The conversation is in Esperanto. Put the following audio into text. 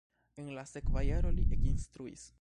En la sekva jaro li ekinstruis.